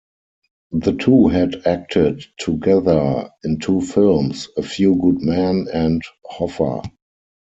The two had acted together in two films, "A Few Good Men" and "Hoffa".